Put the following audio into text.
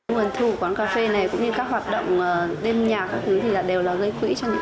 nguồn thu của quán cà phê này cũng như các hoạt động đêm nhà các thứ thì đều là gây quỹ cho những